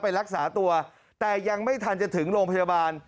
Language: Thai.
ไปรักษาตัวแต่ยังไม่ทันจะถึงโรงพยาบาล